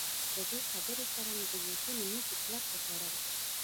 له دې خبرې سره مې د بوټونو مزي کلک وتړل.